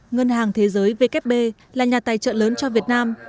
ngân hàng thế giới vkp là nhà tài trợ lớn cho việt nam